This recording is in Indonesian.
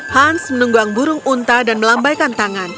hans menunggang burung unta dan melambaikan tangan